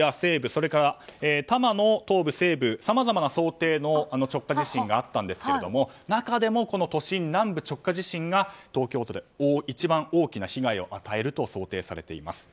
それから多摩の東部、西部さまざまな想定の直下地震があったんですけども中でも都心南部直下地震が東京都で一番大きな被害を与えると想定されています。